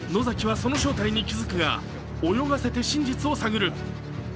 野崎はその正体に気づくが、泳がせて真実を探る。